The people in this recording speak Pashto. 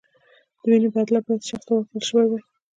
د وینې بدله باید شخص ته ورکړل شوې وای.